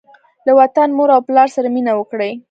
له وطن، مور او پلار سره مینه وکړئ.